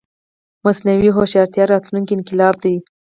مصنوعي هوښيارتيا راتلونکې انقلاب دی